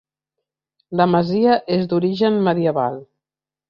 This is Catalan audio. La masia és d'origen medieval.